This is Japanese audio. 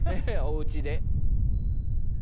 おうちで。